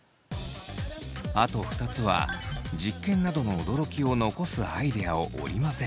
あと２つは実験などの驚きを残すアイデアを織り交ぜる。